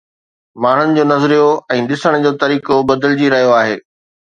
ماڻهن جو نظريو ۽ ڏسڻ جو طريقو بدلجي رهيو آهي